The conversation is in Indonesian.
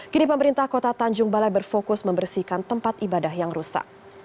kini pemerintah kota tanjung balai berfokus membersihkan tempat ibadah yang rusak